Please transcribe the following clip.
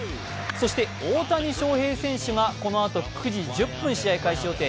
そして大谷翔平選手がこのあと９時１０分試合開始予定。